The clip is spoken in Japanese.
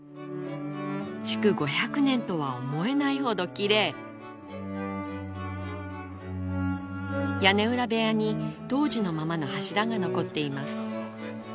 築５００年とは思えないほどキレイ屋根裏部屋に当時のままの柱が残っています